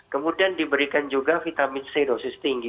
kemudian diberikan juga vitamin c dosis tinggi